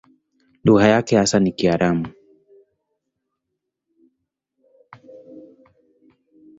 Lugha yake hasa ni Kiaramu.